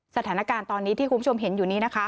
สถานการณ์ตอนนี้ที่คุณผู้ชมเห็นอยู่นี้นะคะ